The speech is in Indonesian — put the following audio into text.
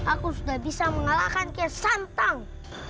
aku sudah bisa mengalahkan kes santang